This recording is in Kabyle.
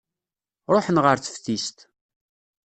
Ṛuḥen ɣer teftist.